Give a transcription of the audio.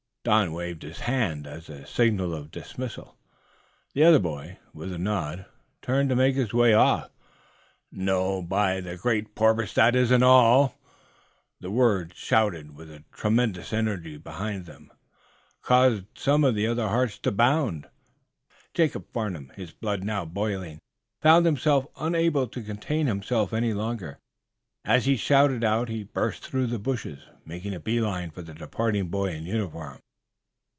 Don waved his hand as a sign of dismissal. The other boy, with a nod, turned to make his way off. "No, by the Great Porpoise, that isn't all!" The words, shouted, with a tremendous energy behind them, caused some other hearts to bound. Jacob Farnum, his blood now boiling, found himself unable to contain himself any longer. As he shouted out, he burst through the bushes, making a bee line for the departing boy in uniform.